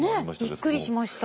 ねえびっくりしました。